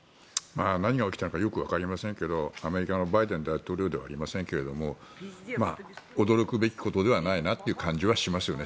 何が起きたのかよくわかりませんけどアメリカのバイデン大統領ではありませんが驚くべきことではないなと感じますね。